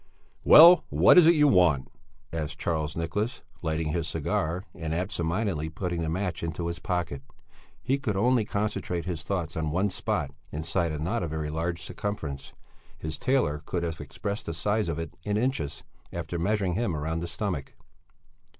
"Well, what is it you want?" asked Charles Nicholas, lighting his cigar, and absent mindedly putting the match into his pocket he could only concentrate his thoughts on one spot inside a not very large circumference; his tailor could have expressed the size of it in inches after measuring him round the stomach.